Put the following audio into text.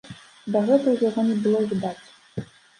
Дагэтуль яго не было відаць.